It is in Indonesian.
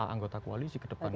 anggota koalisi ke depan